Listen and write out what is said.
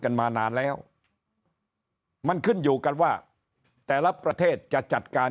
กันมานานแล้วมันขึ้นอยู่กันว่าแต่ละประเทศจะจัดการ